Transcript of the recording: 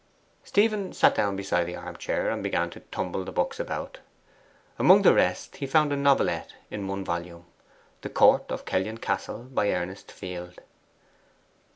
Stephen sat down beside the arm chair and began to tumble the books about. Among the rest he found a novelette in one volume, THE COURT OF KELLYON CASTLE. By Ernest Field.